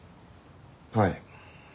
はい。